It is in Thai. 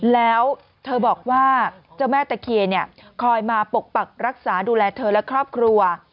แล้วเธอบอกว่าเจ้าแม่ตะเคียนคอยมาปกปักรักษาดูแลเธอและครอบครัว